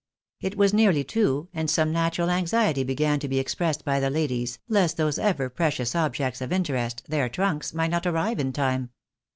It was now nearly two, and some natural anxiety began to be expressed by the ladies, lest those ever precious objects of interest, their trunks, might not arrive in time.